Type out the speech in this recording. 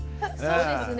そうですね。